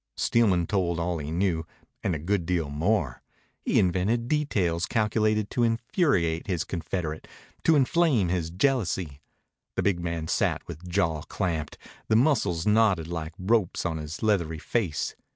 Steelman told all he knew and a good deal more. He invented details calculated to infuriate his confederate, to inflame his jealousy. The big man sat with jaw clamped, the muscles knotted like ropes on his leathery face.